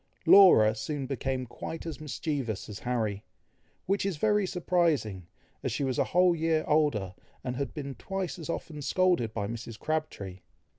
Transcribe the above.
Laura soon became quite as mischievous as Harry, which is very surprising, as she was a whole year older, and had been twice as often scolded by Mrs. Crabtree.